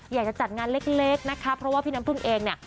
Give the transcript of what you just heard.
อยากจะจัดงานเล็กนะคะเพราะว่าพี่น้ำพึ่งเองเนี่ย